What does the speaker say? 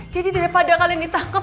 jadi daripada kalian ditangkap